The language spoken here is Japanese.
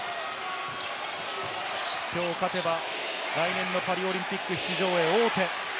きょう勝てば来年のパリオリンピック出場へ王手。